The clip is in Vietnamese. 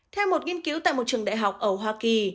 theo một nghiên cứu tại một trường đại học ở hoa kỳ